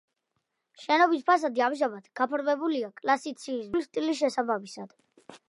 შენობის ფასადი ამჟამად გაფორმებულია კლასიციზმის არქიტექტურული სტილის შესაბამისად.